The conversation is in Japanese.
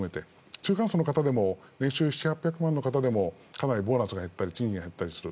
中間層の方々でも年収７００８００万の方でもボーナスが減ったり賃金が減ったりする。